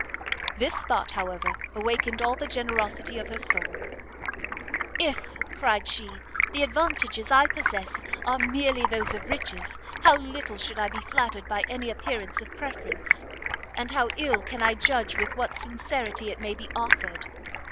This thought, however, awakened all the generosity of her soul; "If," cried she, "the advantages I possess are merely those of riches, how little should I be flattered by any appearance of preference! and how ill can I judge with what sincerity it may be offered!